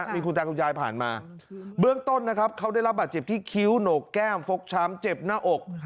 มีคุณตาคุณยายผ่านมาเบื้องต้นนะครับเขาได้รับบาดเจ็บที่คิ้วโหนกแก้มฟกช้ำเจ็บหน้าอก